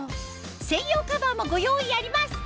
専用カバーもご用意あります